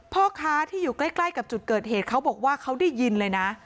พ่อค้าที่อยู่ใกล้กับจุดเกิดเหตุเขาบอกว่าเขาได้ยินเลยนะ